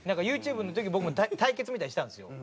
なんかＹｏｕＴｕｂｅの時僕も対決みたいなのしたんですよ。